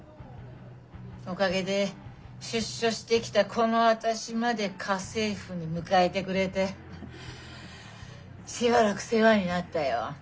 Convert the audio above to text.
おかげで出所してきたこの私まで家政婦に迎えてくれてしばらく世話になったよ。